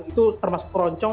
itu termasuk ronjong